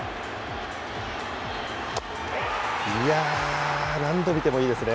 いやー、何度見てもいいですね。